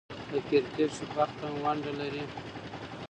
په کرکټ کښي بخت هم ونډه لري.